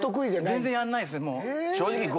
全然やんないです。